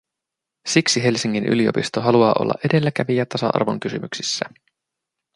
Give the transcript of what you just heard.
Siksi Helsingin yliopisto haluaa olla edelläkävijä tasa-arvon kysymyksissä.